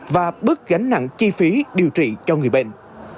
và bớt gánh nặng chi phí điều trị cho người bệnh